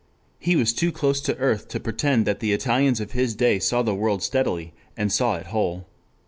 He was too close to earth to pretend that the Italians of his day saw the world steadily and saw it whole.